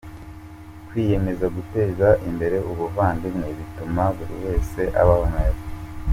Kwiyemeza guteza imbere ubuvandimwe, bituma buri wese abaho neza.